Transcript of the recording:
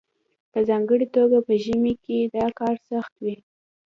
په ځانګړې توګه په ژمي کې دا کار ډیر سخت وي